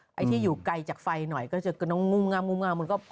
ตอนที่อยู่ไกลจากไฟก็จะนงงาม